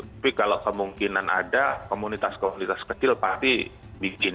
tapi kalau kemungkinan ada komunitas komunitas kecil pasti bikin